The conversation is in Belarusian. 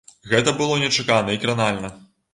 Гэта было нечакана і кранальна.